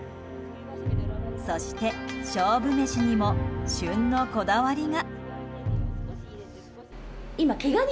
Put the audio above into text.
そして、勝負メシにも旬のこだわりが。